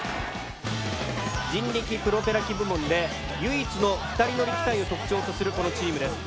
人力プロペラ機部門で唯一の２人乗り機体を特徴とするこのチームです。